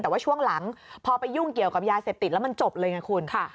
แต่ว่าช่วงหลังพอไปยุ่งเกี่ยวกับยาเสพติดแล้วมันจบเลยไงคุณ